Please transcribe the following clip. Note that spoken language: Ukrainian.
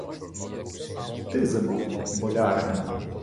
— Й ти забудь, болярине.